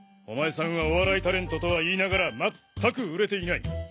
お前さんはお笑いタレントとはいいながらまったく売れていない。